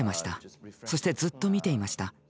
そしてずっと見ていました。